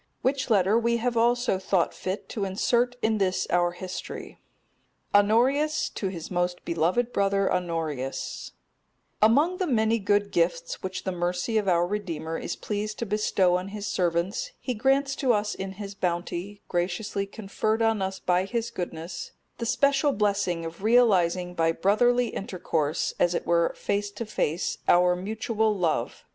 Which letter we have also thought fit to insert in this our history: "Honorius to his most beloved brother Honorius: Among the many good gifts which the mercy of our Redeemer is pleased to bestow on His servants He grants to us in His bounty, graciously conferred on us by His goodness, the special blessing of realizing by brotherly intercourse, as it were face to face, our mutual love.